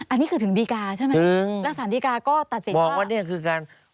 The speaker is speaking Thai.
อันนี้คือถึงดีกาใช่ไหมแล้วสารดีกาก็ตัดสินมองว่านี่คือการ